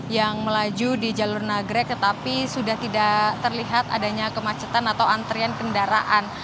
yang melaju di jalur nagrek tetapi sudah tidak terlihat adanya kemacetan atau antrian kendaraan